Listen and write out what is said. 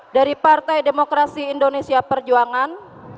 dari partai demokrasi indonesia perjuangan